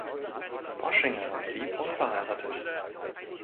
Poschinger blieb unverheiratet.